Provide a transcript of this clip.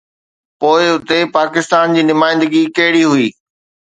پوءِ اتي پاڪستان جي نمائندگي ڪهڙي هئي؟